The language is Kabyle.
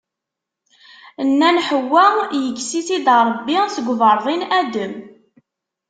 Nnan Ḥewwa yekkes-itt-id Rebbi seg uberḍi n Adem.